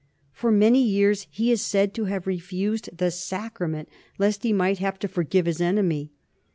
For many years he is said to have refused the sacrament lest he might have to forgive his enemy.